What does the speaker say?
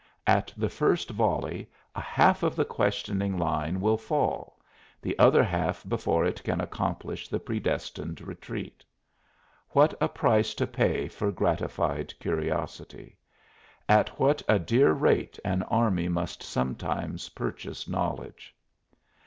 At the first volley a half of the questioning line will fall, the other half before it can accomplish the predestined retreat. What a price to pay for gratified curiosity! At what a dear rate an army must sometimes purchase knowledge!